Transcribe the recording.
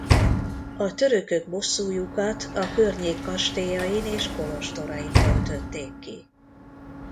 A törökök bosszújukat a környék kastélyain és kolostorain töltötték ki.